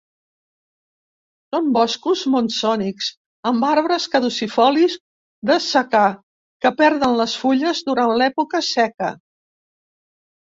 Són boscos monsònics, amb arbres caducifolis de secà que perden les fulles durant l'època seca.